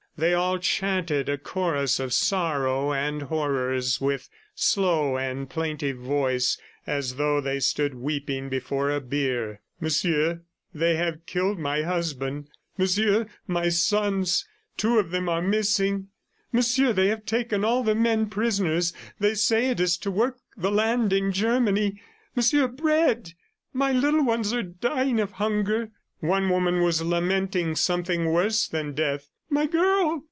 They all chanted a chorus of sorrow and horrors with slow and plaintive voice, as though they stood weeping before a bier: "Monsieur, they have killed my husband." ... "Monsieur, my sons! Two of them are missing." ... "Monsieur, they have taken all the men prisoners: they say it is to work the land in Germany." ... "Monsieur, bread! ... My little ones are dying of hunger!" One woman was lamenting something worse than death. "My girl!